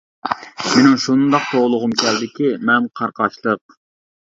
مىنىڭ شۇنداق توۋلىغۇم كەلدىكى مەن قاراقاشلىق!